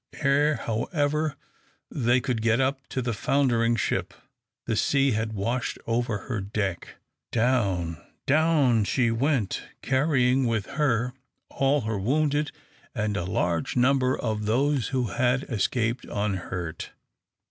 Ere, however, they could get up to the foundering ship, the sea had washed over her deck. Down down she went, carrying with her all her wounded and a large number of those who had escaped unhurt.